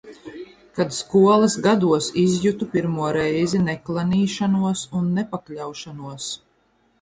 Kad skolas gados izjutu pirmo reizi neklanīšanos un nepakļaušanos.